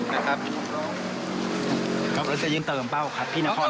แล้วจะยืมเติมเปล่าครับพี่นคร